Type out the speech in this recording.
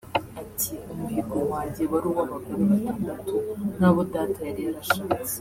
Ati “Umuhigo wanjye wari abagore batandatu nk’abo Data yari yarashatse